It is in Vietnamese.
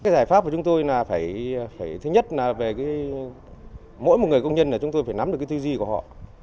giải pháp của chúng tôi là thứ nhất là mỗi một người công nhân chúng tôi phải nắm được tư duy của họ